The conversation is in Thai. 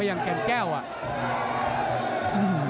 ต้องเต็มข่าวเร็ว